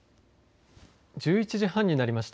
１１時半になりました。